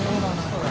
これ。